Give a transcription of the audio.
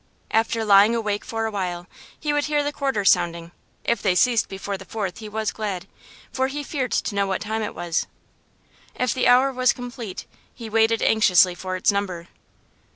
After lying awake for awhile he would hear quarters sounding; if they ceased before the fourth he was glad, for he feared to know what time it was. If the hour was complete, he waited anxiously for its number.